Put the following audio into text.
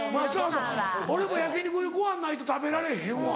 俺も焼き肉にご飯ないと食べられへんわ。